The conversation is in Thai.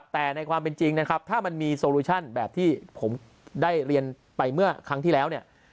แต่ในความเป็นจริงนะครับถ้ามันมีโซลูชั่นแบบที่ผมได้เรียนไปเมื่อครั้งที่แล้วเนี่ย